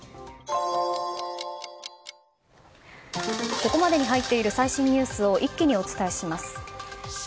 ここまでに入っている最新ニュースを一気にお伝えします。